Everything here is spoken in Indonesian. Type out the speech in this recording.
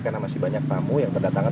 karena masih banyak tamu yang berdatangan